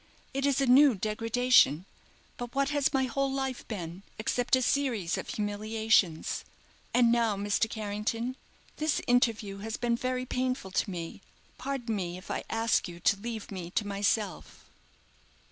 It is a new degradation; but what has my whole life been except a series of humiliations? And now, Mr. Carrington, this interview has been very painful to me. Pardon me, if I ask you to leave me to myself."